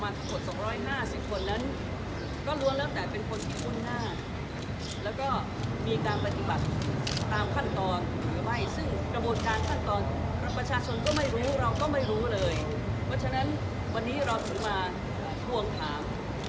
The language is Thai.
เราวองออกมาทุกคน๒๕๐คนนั้น